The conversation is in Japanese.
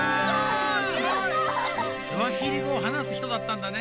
スワヒリ語をはなすひとだったんだね。